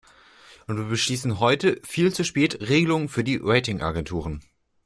Und wir beschließen heute viel zu spät Regelung für die Ratingagenturen.